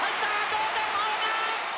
同点ホームラン！